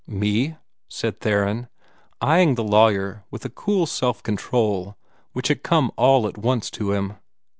"Me?" said Theron, eying the lawyer with a cool self control which had come all at once to him.